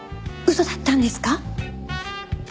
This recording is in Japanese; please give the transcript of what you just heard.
嘘だったんですか？